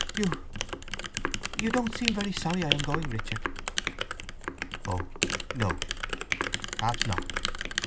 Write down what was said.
"You… You don't seem very sorry I am going, Richard!" "Oh no—perhaps not."